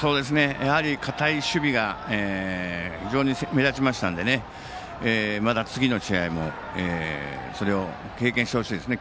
やはり堅い守備が非常に目立ちましたのでまだ次の試合もそれを経験してほしいですね。